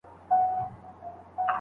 مڼې یوسي او وړل یې اسان دي.